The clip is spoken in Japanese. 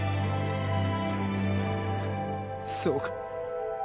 そうか。